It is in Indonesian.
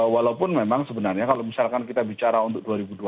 walaupun memang sebenarnya kalau misalkan kita bicara untuk dua ribu dua puluh